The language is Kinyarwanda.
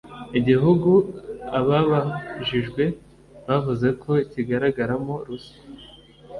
igihugu ababajijwe bavuze ko kigaragaramo ruswa